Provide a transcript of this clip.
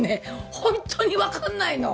本当に分かんないの。